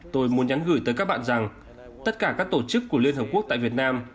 tôi muốn nhắn gửi tới các bạn rằng tất cả các tổ chức của liên hợp quốc tại việt nam